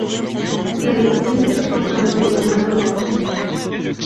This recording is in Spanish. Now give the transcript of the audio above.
La dirección estuvo a cargo de Leonardo Rojas.